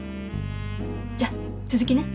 じゃ続きね。